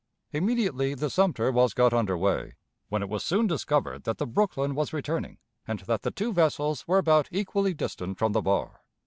Immediately the Sumter was got under way, when it was soon discovered that the Brooklyn was returning, and that the two vessels were about equally distant from the bar.